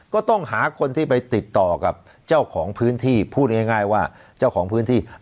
ก็ต้องหาคนที่ไปติดต่อกับเจ้าของพื้นที่พูดง่ายว่าเจ้าของพื้นที่